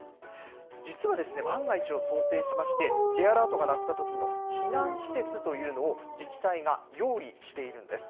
実は、万が一を想定しまして、Ｊアラートが鳴ったときの避難施設というのを、自治体が用意しているんです。